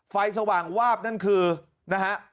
สว่างวาบนั่นคือนะฮะ